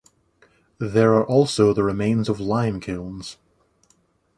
There are also the remains of lime kilns.